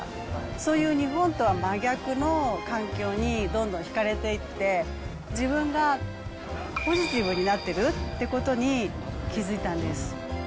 そういう日本とは真逆の環境にどんどん引かれていって、自分がポジティブになってるっていうことに気付いたんです。